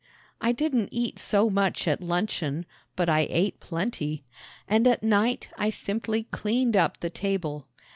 I didn't eat so much at luncheon, but I ate plenty; and at night I simply cleaned up the table.